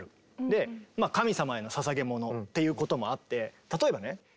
でまあ神様への捧げものっていうこともあって例えばね。